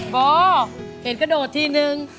โบ๊ะเห็นกระโดดทีนึง